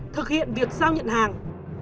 thực hiện việc giao nhận hàng